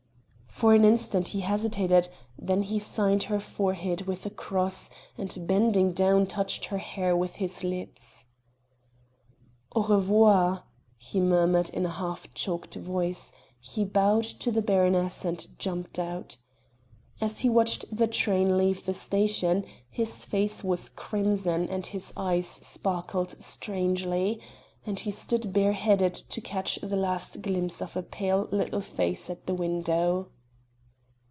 For an instant he hesitated then he signed her forehead with a cross, and bending down touched her hair with his lips. "Au revoir," he murmured in a half choked voice, he bowed to the baroness and jumped out. As he watched the train leave the station his face was crimson and his eyes sparkled strangely; and he stood bareheaded to catch the last glimpse of a pale little face at the window.